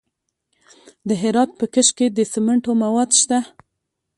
د هرات په کشک کې د سمنټو مواد شته.